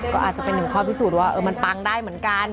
ก็อาจจะเป็นหนึ่งข้อพิสูจน์ว่ามันปังได้เหมือนกัน